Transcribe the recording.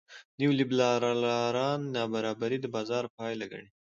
نیولېبرالان نابرابري د بازار پایله ګڼي.